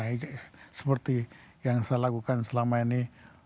ya seperti yang saya lakukan selama ini